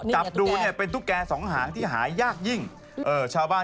จำดูเป็นตุ๊กแก่สองหางที่หายากจริง